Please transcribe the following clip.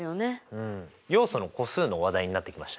要素の個数の話題になってきましたね。